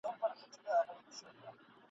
راته راوړی لیک مي رویبار دی ..